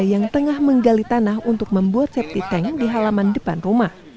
yang tengah menggali tanah untuk membuat septic tank di halaman depan rumah